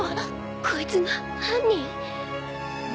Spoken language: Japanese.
こいつが犯人！？